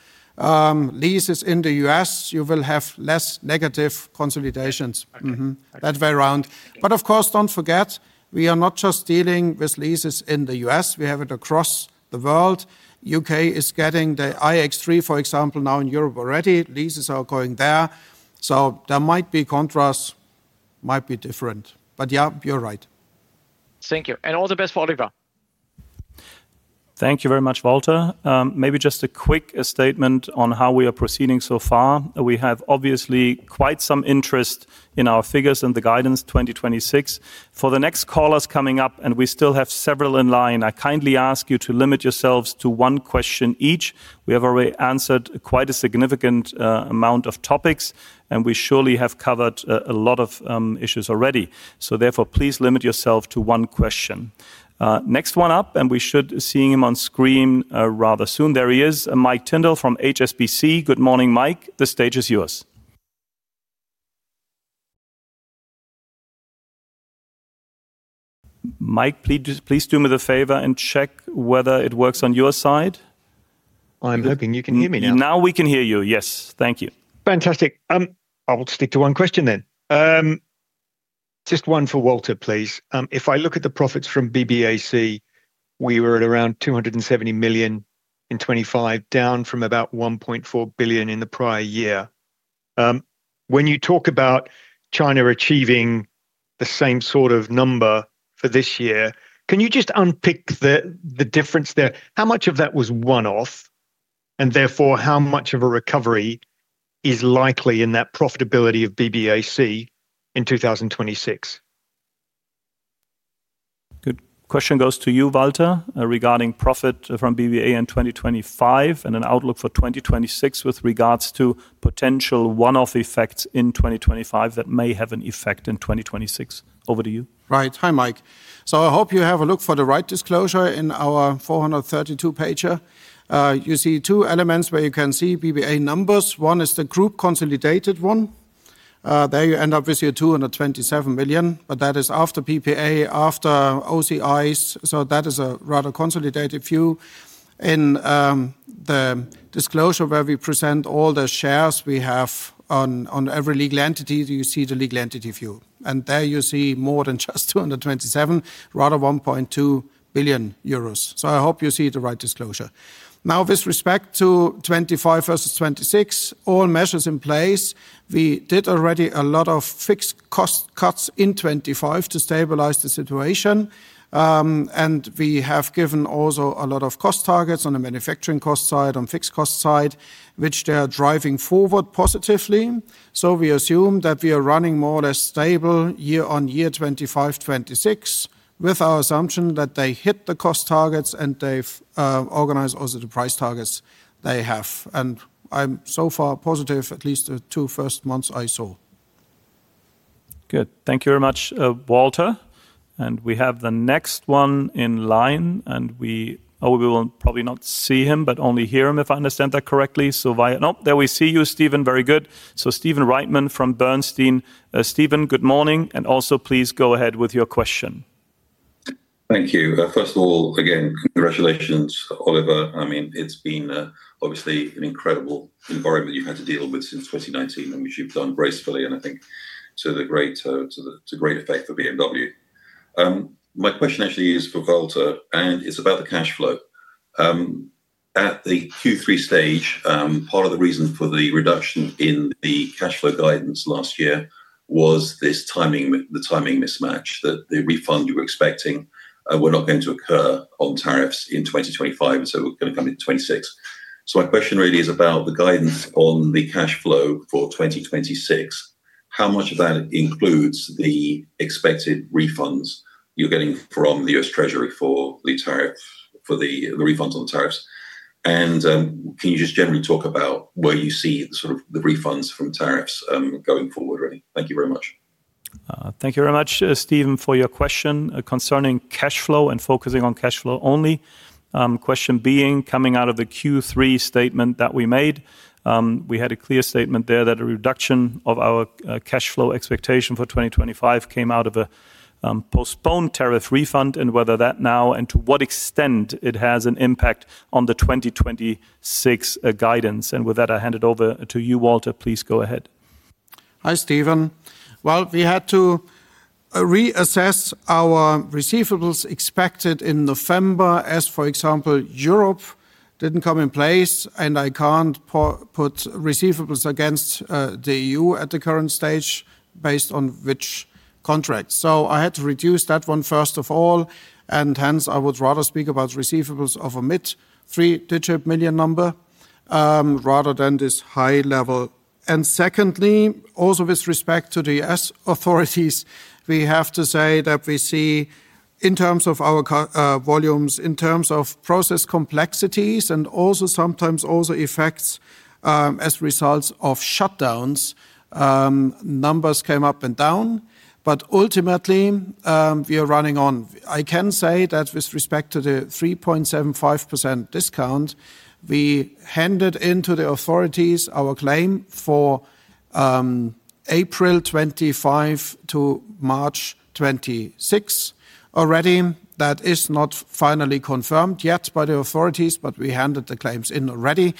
Speaker 4: leases in the U.S., you will have less negative consolidations.
Speaker 7: Okay. Okay.
Speaker 4: Mm-hmm. That way around.
Speaker 7: Thank you.
Speaker 4: Of course, don't forget, we are not just dealing with leases in the U.S. We have it across the world. U.K. is getting the iX3, for example, now in Europe already. Leases are going there. There might be contrasts, might be different, but yeah, you're right.
Speaker 7: Thank you. All the best for Oliver.
Speaker 1: Thank you very much, Walter. Maybe just a quick statement on how we are proceeding so far. We have obviously quite some interest in our figures and the guidance 2026. For the next callers coming up, we still have several in line. I kindly ask you to limit yourselves to one question each. We have already answered quite a significant amount of topics, and we surely have covered a lot of issues already. Therefore, please limit yourself to one question. Next one up, we should seeing him on screen rather soon. There he is, Mike Tyndall from HSBC. Good morning, Mike. The stage is yours. Mike, please do me the favor and check whether it works on your side.
Speaker 8: I'm hoping you can hear me now.
Speaker 1: Now we can hear you, yes. Thank you.
Speaker 8: Fantastic. I'll stick to one question then. Just one for Walter, please. If I look at the profits from BBA, we were at around 270 million in 2025, down from about 1.4 billion in the prior year. When you talk about China achieving the same sort of number for this year, can you just unpick the difference there? How much of that was one-off, and therefore, how much of a recovery is likely in that profitability of BBA in 2026?
Speaker 1: Good question goes to you, Walter, regarding profit from BBA in 2025 and an outlook for 2026 with regards to potential one-off effects in 2025 that may have an effect in 2026. Over to you.
Speaker 4: Right. Hi, Mike. I hope you have a look for the right disclosure in our 432-pager. You see two elements where you can see BBA numbers. One is the group consolidated one. There you end up with your 227 million, but that is after PPA, after OCI, so that is a rather consolidated view. In the disclosure where we present all the shares we have on every legal entity, you see the legal entity view. There you see more than just 227 million, rather 1.2 billion euros. I hope you see the right disclosure. Now with respect to 2025 versus 2026, all measures in place, we did already a lot of fixed cost cuts in 2025 to stabilize the situation. We have given also a lot of cost targets on the manufacturing cost side, on fixed cost side, which they are driving forward positively. We assume that we are running more or less stable year-on-year 2025, 2026, with our assumption that they hit the cost targets and they've organized also the price targets they have. I'm so far positive, at least the two first months I saw.
Speaker 1: Good. Thank you very much, Walter. We have the next one in line, and we will probably not see him, but only hear him, if I understand that correctly. Nope, there we see you, Stephen. Very good. Stephen Reitman from Bernstein. Stephen, good morning, and also please go ahead with your question.
Speaker 9: Thank you. First of all, again, congratulations, Oliver. I mean, it's been obviously an incredible environment you've had to deal with since 2019, which you've done gracefully, and I think to the great effect for BMW. My question actually is for Walter, and it's about the cash flow. At the Q3 stage, part of the reason for the reduction in the cash flow guidance last year was this timing mismatch that the refund you were expecting were not going to occur on tariffs in 2025, so were gonna come in 2026. My question really is about the guidance on the cash flow for 2026. How much of that includes the expected refunds you're getting from the U.S. Treasury for the tariff, the refunds on the tariffs? Can you just generally talk about where you see sort of the refunds from tariffs going forward really? Thank you very much.
Speaker 1: Thank you very much, Stephen, for your question concerning cash flow and focusing on cash flow only. Question being, coming out of the Q3 statement that we made, we had a clear statement there that a reduction of our cash flow expectation for 2025 came out of a postponed tariff refund and whether that now and to what extent it has an impact on the 2026 guidance. With that, I hand it over to you, Walter. Please go ahead.
Speaker 4: Hi, Stephen. Well, we had to reassess our receivables expected in November as, for example, Europe didn't come in place, and I can't put receivables against the EU at the current stage based on which contract. I had to reduce that one, first of all, and hence, I would rather speak about receivables of a mid three-digit million EUR number rather than this high level. Secondly, also with respect to the U.S. authorities, we have to say that we see in terms of our volumes, in terms of process complexities and also sometimes also effects as results of shutdowns, numbers came up and down. Ultimately, we are running on. I can say that with respect to the 3.75% discount, we handed into the authorities our claim for April 2025 to March 2026 already. That is not finally confirmed yet by the authorities, but we handed the claims in already.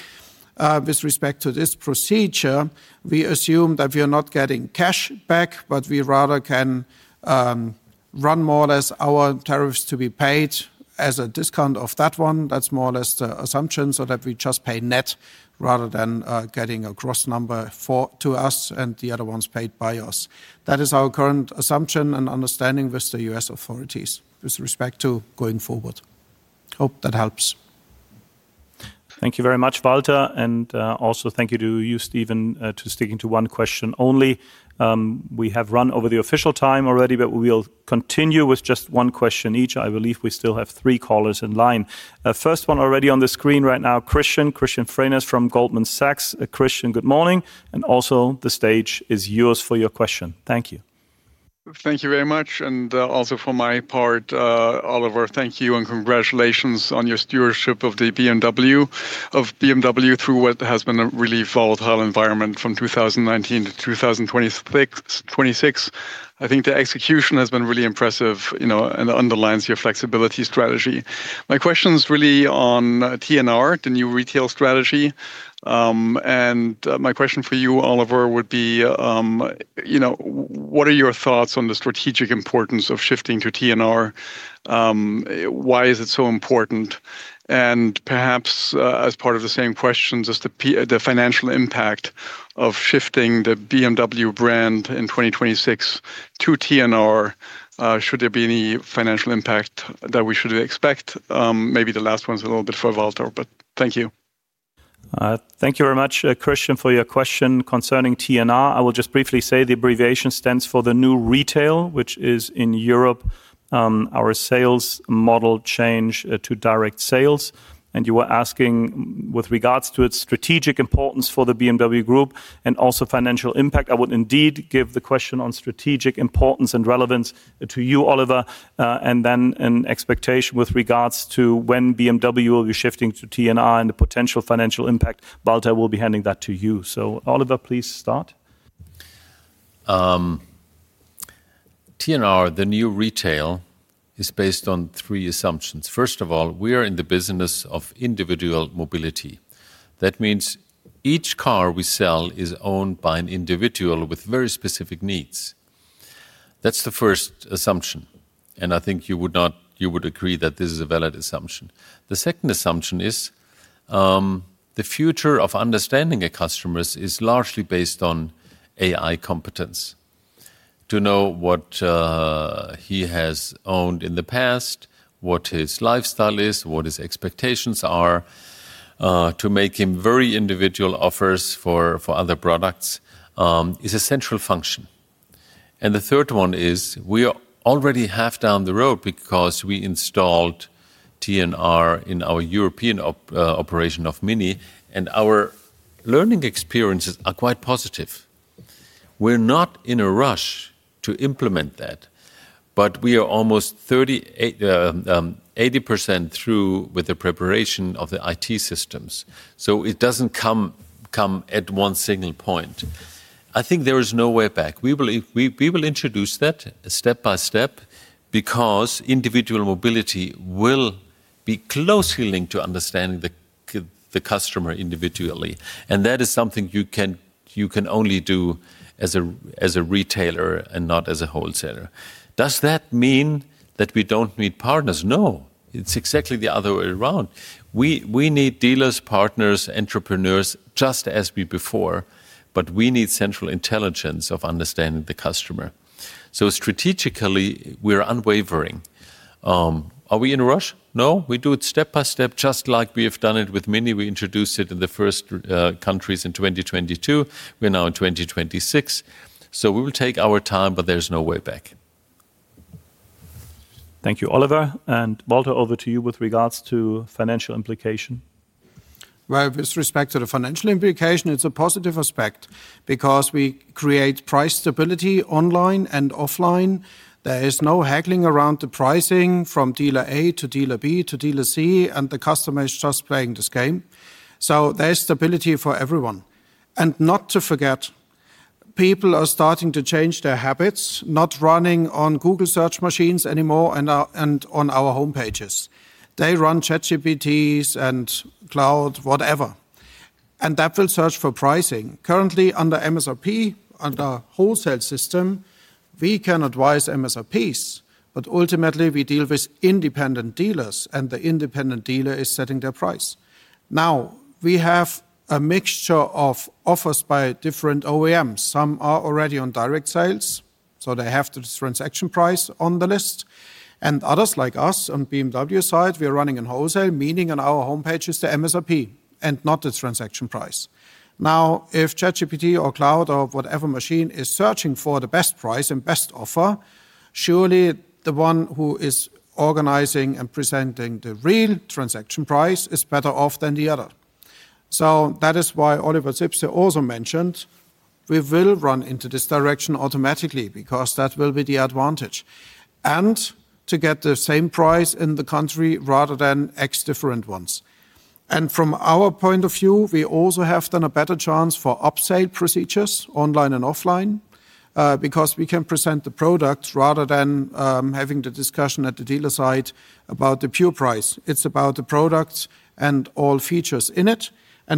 Speaker 4: With respect to this procedure, we assume that we are not getting cash back, but we rather can run more or less our tariffs to be paid as a discount of that one. That's more or less the assumption, so that we just pay net rather than getting a gross number to us and the other one's paid by us. That is our current assumption and understanding with the U.S. authorities with respect to going forward. Hope that helps.
Speaker 1: Thank you very much, Walter, and also thank you to you, Stephen, for sticking to one question only. We have run over the official time already, but we'll continue with just one question each. I believe we still have three callers in line. First one already on the screen right now, Christian. Christian Frenes from Goldman Sachs. Christian, good morning, and also the stage is yours for your question. Thank you.
Speaker 10: Thank you very much, and also for my part, Oliver, thank you and congratulations on your stewardship of BMW through what has been a really volatile environment from 2019 to 2026. I think the execution has been really impressive, you know, and underlines your flexibility strategy. My question's really on TNR, the new retail strategy, and my question for you, Oliver, would be, you know, what are your thoughts on the strategic importance of shifting to TNR? Why is it so important? Perhaps, as part of the same question, the financial impact of shifting the BMW brand in 2026 to TNR, should there be any financial impact that we should expect? Maybe the last one's a little bit for Walter, but thank you.
Speaker 1: Thank you very much, Christian, for your question concerning TNR. I will just briefly say the abbreviation stands for The New Retail, which is in Europe, our sales model change to direct sales. You were asking with regards to its strategic importance for the BMW Group and also financial impact. I would indeed give the question on strategic importance and relevance to you, Oliver, and then an expectation with regards to when BMW will be shifting to TNR and the potential financial impact, Walter will be handing that to you. Oliver, please start.
Speaker 3: TNR, The New Retail, is based on three assumptions. First of all, we are in the business of individual mobility. That means each car we sell is owned by an individual with very specific needs. That's the first assumption, and I think you would agree that this is a valid assumption. The second assumption is the future of understanding customers is largely based on AI competence. To know what he has owned in the past, what his lifestyle is, what his expectations are, to make him very individual offers for other products is a central function. The third one is we are already half down the road because we installed TNR in our European operation of MINI, and our learning experiences are quite positive. We're not in a rush to implement that, but we are almost 80% through with the preparation of the IT systems, so it doesn't come at one single point. I think there is no way back. We will introduce that step by step because individual mobility will be closely linked to understanding the customer individually, and that is something you can only do as a retailer and not as a wholesaler. Does that mean that we don't need partners? No. It's exactly the other way around. We need dealers, partners, entrepreneurs, just as we before, but we need central intelligence of understanding the customer. So strategically, we're unwavering. Are we in a rush? No. We do it step by step, just like we have done it with MINI. We introduced it in the first countries in 2022. We're now in 2026. We will take our time, but there's no way back.
Speaker 1: Thank you, Oliver. Walter, over to you with regards to financial implication.
Speaker 4: Well, with respect to the financial implication, it's a positive aspect because we create price stability online and offline. There is no haggling around the pricing from dealer A to dealer B to dealer C, and the customer is just playing this game. There's stability for everyone. Not to forget, people are starting to change their habits, not running on Google search engines anymore and on our homepages. They run ChatGPT's and Claude, whatever. That will search for pricing. Currently, under MSRP, under wholesale system, we can advise MSRPs, but ultimately we deal with independent dealers, and the independent dealer is setting their price. Now, we have a mixture of offers by different OEMs. Some are already on direct sales, so they have this transaction price on the list. Others, like us on BMW side, we are running in wholesale, meaning on our homepage is the MSRP and not the transaction price. Now, if ChatGPT or Claude or whatever machine is searching for the best price and best offer, surely the one who is organizing and presenting the real transaction price is better off than the other. So that is why Oliver Zipse also mentioned we will run into this direction automatically because that will be the advantage. To get the same price in the country rather than X different ones. From our point of view, we also have then a better chance for upsale procedures online and offline, because we can present the products rather than having the discussion at the dealer side about the pure price. It's about the products and all features in it.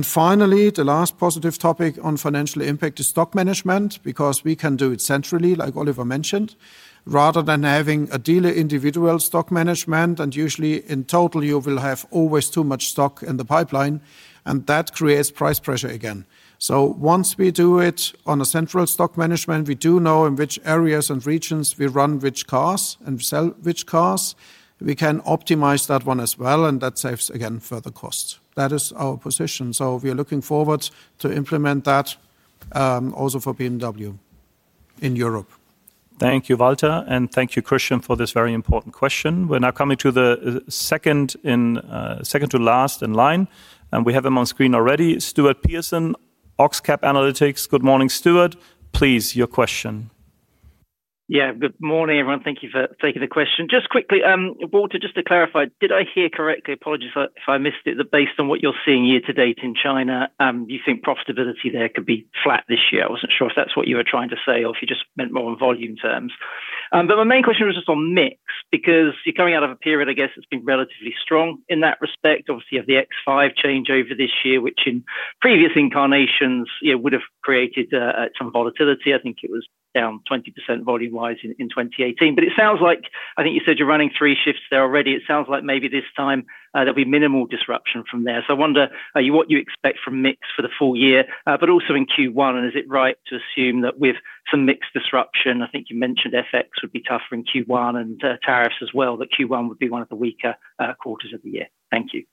Speaker 4: Finally, the last positive topic on financial impact is stock management, because we can do it centrally, like Oliver mentioned, rather than having a dealer individual stock management. Usually in total, you will have always too much stock in the pipeline, and that creates price pressure again. Once we do it on a central stock management, we do know in which areas and regions we run which cars and sell which cars. We can optimize that one as well, and that saves again further costs. That is our position. We are looking forward to implement that, also for BMW in Europe.
Speaker 1: Thank you, Walter, and thank you, Christian, for this very important question. We're now coming to the second to last in line, and we have him on screen already. Stuart Pearson, Oxcap Analytics. Good morning, Stuart. Please, your question.
Speaker 11: Yeah. Good morning, everyone. Thank you for taking the question. Just quickly, Walter, just to clarify, did I hear correctly, apologies if I missed it, that based on what you're seeing year to date in China, you think profitability there could be flat this year? I wasn't sure if that's what you were trying to say or if you just meant more on volume terms. But my main question was just on mix, because you're coming out of a period, I guess, that's been relatively strong in that respect. Obviously, you have the X5 changeover this year, which in previous incarnations, you know, would have created some volatility. I think it was down 20% volume-wise in 2018. It sounds like, I think you said you're running three shifts there already. It sounds like maybe this time, there'll be minimal disruption from there. I wonder what you expect from mix for the full year, but also in Q1? Is it right to assume that with some mix disruption, I think you mentioned FX would be tougher in Q1 and tariffs as well, that Q1 would be one of the weaker quarters of the year? Thank you.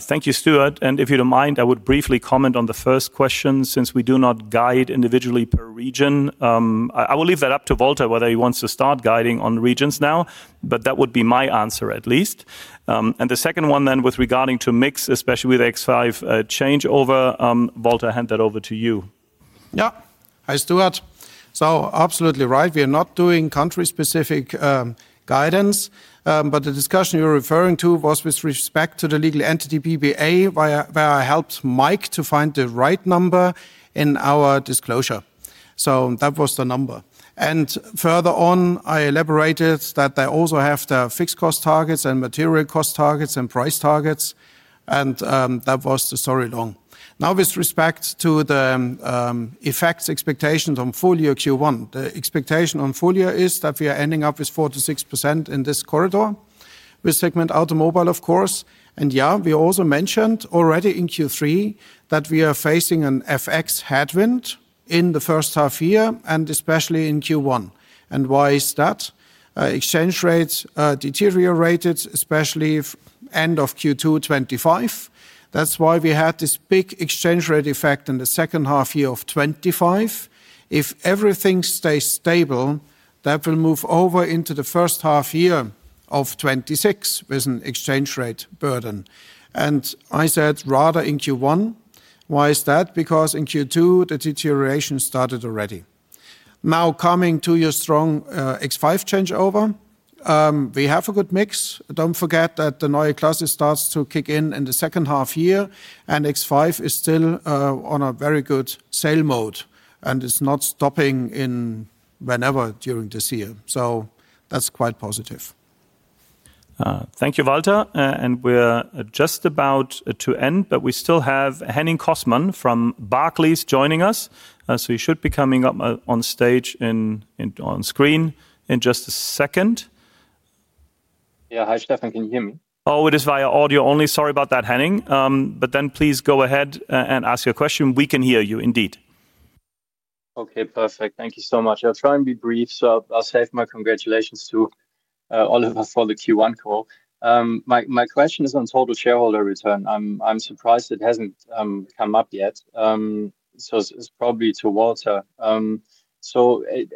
Speaker 1: Thank you, Stuart. If you don't mind, I would briefly comment on the first question, since we do not guide individually per region. I will leave that up to Walter, whether he wants to start guiding on regions now, but that would be my answer at least. The second one then with regard to mix, especially with X5 changeover, Walter, hand that over to you.
Speaker 4: Yeah. Hi, Stuart. Absolutely right. We are not doing country-specific guidance, but the discussion you're referring to was with respect to the legal entity BBA, where I helped Mike to find the right number in our disclosure. That was the number. Further on, I elaborated that I also have the fixed cost targets and material cost targets and price targets, and that was the long story. Now, with respect to the effects expectations on full year Q1, the expectation on full year is that we are ending up with 4%-6% in this corridor with segment automobile, of course. Yeah, we also mentioned already in Q3 that we are facing an FX headwind in the first half year and especially in Q1. Why is that? Exchange rates deteriorated, especially end of Q2 2025. That's why we had this big exchange rate effect in the second half year of 2025. If everything stays stable. That will move over into the first half year of 2026 with an exchange rate burden. I said rather in Q1. Why is that? Because in Q2, the deterioration started already. Now coming to your strong X5 changeover, we have a good mix. Don't forget that the Neue Klasse starts to kick in in the second half year, and X5 is still on a very good sale mode and is not stopping whenever during this year. That's quite positive.
Speaker 1: Thank you, Walter. We're just about to end, but we still have Henning Cosman from Barclays joining us. You should be coming up on screen in just a second.
Speaker 12: Yeah. Hi, Stefan. Can you hear me?
Speaker 1: Oh, it is via audio only. Sorry about that, Henning. Please go ahead and ask your question. We can hear you indeed.
Speaker 12: Okay, perfect. Thank you so much. I'll try and be brief, so I'll save my congratulations to Oliver for the Q1 call. My question is on total shareholder return. I'm surprised it hasn't come up yet, so this is probably to Walter.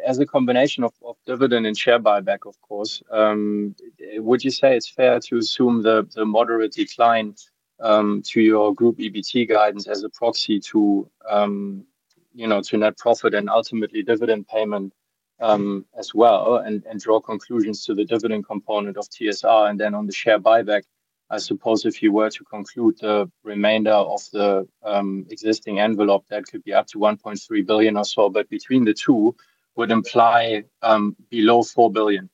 Speaker 12: As a combination of dividend and share buyback, of course, would you say it's fair to assume the moderate decline to your group EBT guidance as a proxy to you know, to net profit and ultimately dividend payment as well, and draw conclusions to the dividend component of TSR. On the share buyback, I suppose if you were to conclude the remainder of the existing envelope, that could be up to 1.3 billion or so, but between the two would imply below 4 billion.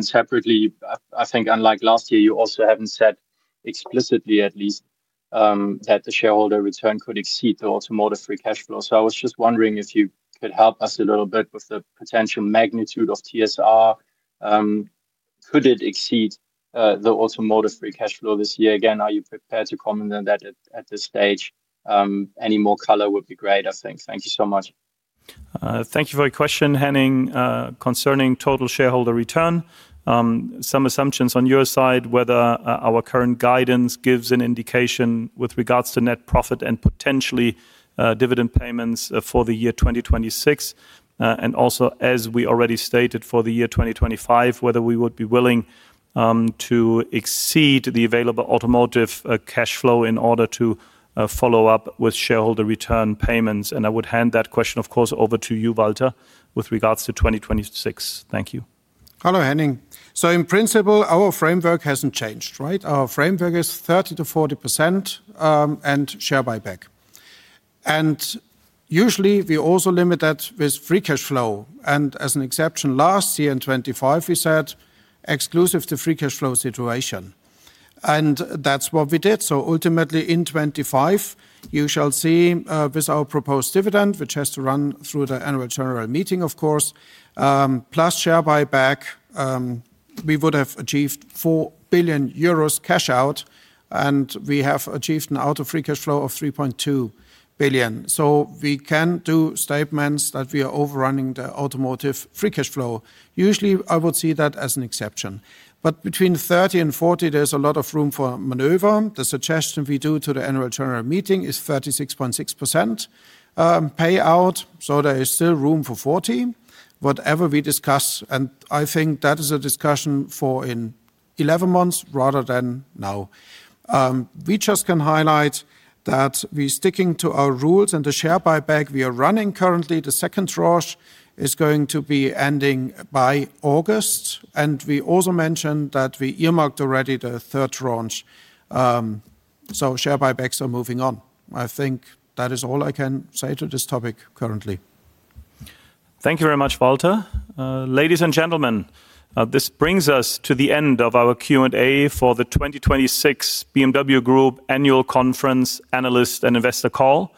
Speaker 12: Separately, I think unlike last year, you also haven't said explicitly at least that the shareholder return could exceed the automotive free cash flow. I was just wondering if you could help us a little bit with the potential magnitude of TSR. Could it exceed the automotive free cash flow this year? Again, are you prepared to comment on that at this stage? Any more color would be great, I think. Thank you so much.
Speaker 1: Thank you for your question, Henning. Concerning total shareholder return, some assumptions on your side, whether our current guidance gives an indication with regards to net profit and potentially, dividend payments for the year 2026. Also, as we already stated for the year 2025, whether we would be willing to exceed the available automotive cash flow in order to follow up with shareholder return payments. I would hand that question, of course, over to you, Walter, with regards to 2026. Thank you.
Speaker 4: Hello, Henning. In principle, our framework hasn't changed, right? Our framework is 30%-40% and share buyback. Usually we also limit that with free cash flow. As an exception, last year in 2025, we said exclusive to free cash flow situation. That's what we did. Ultimately in 2025, you shall see, with our proposed dividend, which has to run through the Annual General Meeting, of course, plus share buyback, we would have achieved 4 billion euros cash out, and we have achieved an automotive free cash flow of 3.2 billion. We can do statements that we are overrunning the automotive free cash flow. Usually, I would see that as an exception. Between 30% and 40%, there's a lot of room for maneuver. The suggestion we do to the Annual General Meeting is 36.6% payout, so there is still room for 40%, whatever we discuss, and I think that is a discussion for in 11 months rather than now. We just can highlight that we're sticking to our rules and the share buyback we are running currently, the second tranche is going to be ending by August. We also mentioned that we earmarked already the third tranche. Share buybacks are moving on. I think that is all I can say to this topic currently.
Speaker 1: Thank you very much, Walter. Ladies and gentlemen, this brings us to the end of our Q&A for the 2026 BMW Group Annual Conference Analyst and Investor Call.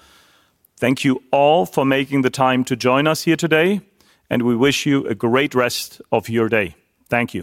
Speaker 1: Thank you all for making the time to join us here today, and we wish you a great rest of your day. Thank you.